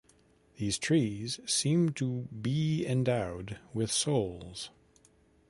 These trees seem to bee endowed with souls.